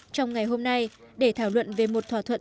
trong ngày hôm nay để thảo luận về một thỏa thuận